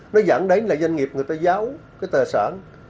nó dẫn đến là doanh nghiệp người ta giáo cái tài sản